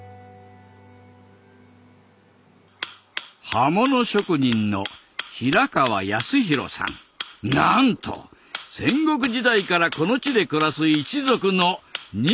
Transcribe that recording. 刃物職人のなんと戦国時代からこの地で暮らす一族の２１代目だ。